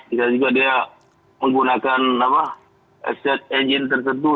bisa juga dia menggunakan asset engine tertentu